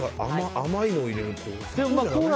甘いのを入れるんだ。